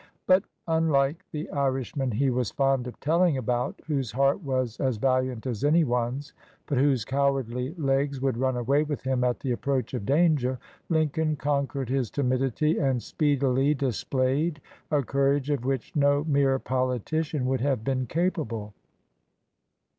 But, unlike the Irishman he was fond of telling about, whose heart was as valiant as any one's, but whose cowardly legs would run away with him at the approach of danger, Lincoln conquered his timidity and speedily displayed a courage of which no mere politician would have been capable.